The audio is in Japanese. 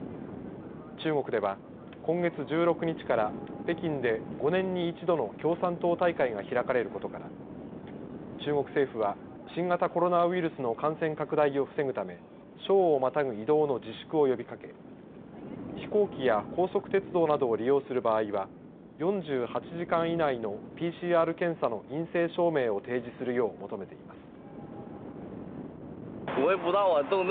中国では、今月１６日から北京で５年に一度の共産党大会が開かれることから中国政府は新型コロナウイルスの感染拡大を防ぐため省をまたぐ移動の自粛を呼びかけ飛行機や高速鉄道などを利用する場合は４８時間以内のＰＣＲ検査の陰性証明を提示するよう求めています。